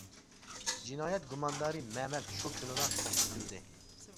جىنايەت گۇماندارى مەمەت شۇ كۈنىلا توختىتىلدى.